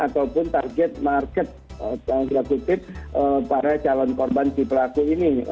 saupun target market sehingga kutip para calon korban si pelaku ini